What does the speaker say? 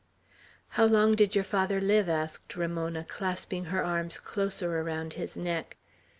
"How long did your father live?" asked Ramona, clasping her arms closer around his neck.